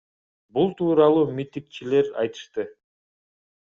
Бул тууралуу митигчилер айтышты.